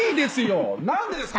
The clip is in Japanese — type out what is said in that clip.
何でですか？